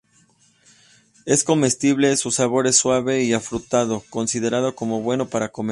Es comestible, su sabor es suave y afrutado, considerado como bueno para comer.